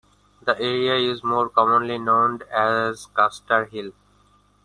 The area is more commonly known as "Custer Hill".